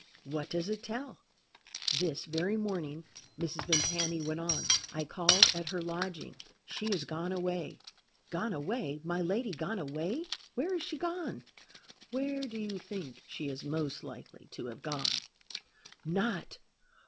"What does it tell?" "This very morning," Mrs. Vimpany went on, "I called at her lodging. She has gone away." "Gone away? My lady gone away? Where is she gone?" "Where do you think she is most likely to have gone?" "Not?